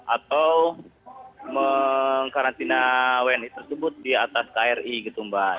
atau mengkarantina wni tersebut di atas kri gitu mbak